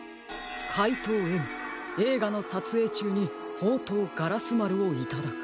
「かいとうＭえいがのさつえいちゅうにほうとうガラスまるをいただく」。